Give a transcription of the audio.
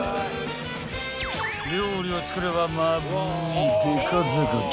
［料理を作ればまぶいデカ作り］